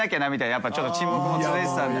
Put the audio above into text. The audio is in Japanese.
やっぱりちょっと沈黙も続いてたんで。